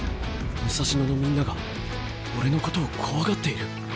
武蔵野のみんなが俺のことを怖がっている。